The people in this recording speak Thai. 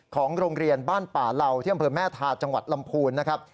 ของโรงเรียนบ้านป่าเหล่าที่อำเภอแม่ทาจังหวัดลำพูนนะครับ